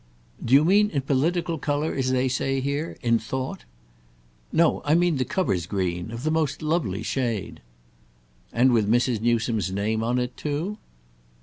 "Do you mean in political colour as they say here—in thought?" "No; I mean the cover's green—of the most lovely shade." "And with Mrs. Newsome's name on it too?"